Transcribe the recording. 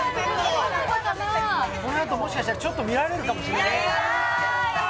このあともしかしたらちょっと見られるかもしれないね。